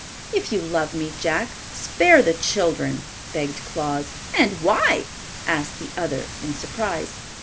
"If you love me, Jack, spare the children," begged Claus. "And why?" asked the other, in surprise.